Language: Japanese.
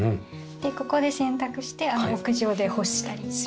ここで洗濯して屋上で干したりするっていう。